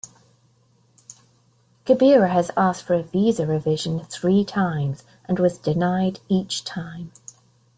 Gabeira has asked for a visa revision three times, and was denied each time.